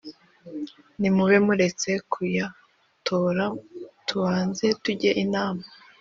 nimube muretse kuyatora tubanze tujye inama.